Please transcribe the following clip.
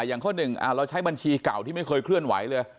อย่างข้อหนึ่งเราใช้บัญชีเก่าที่ไม่เคยเคลื่อนไหวเลย